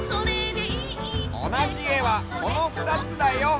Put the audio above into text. おなじえはこのふたつだよ！